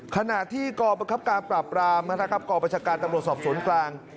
ขณะที่กรประคับการปราบรามนะครับกองประชาการตำรวจสอบสวนกลาง